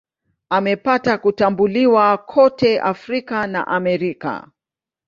Amepata kutambuliwa kote Afrika na Amerika.